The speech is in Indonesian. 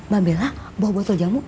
belah bawa botol jamu